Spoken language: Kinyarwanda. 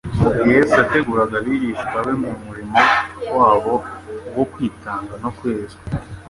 Mu gihe Yesu yateguraga abigishwa be mu murimo wabo wo kwitanga no kwezwa,